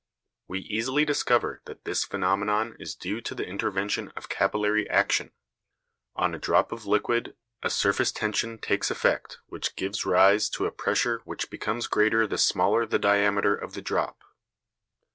We easily discover that this phenomenon is due to the intervention of capillary action. On a drop of liquid a surface tension takes effect which gives rise to a pressure which becomes greater the smaller the diameter of the drop.